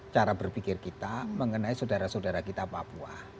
cara berpikir kita mengenai saudara saudara kita papua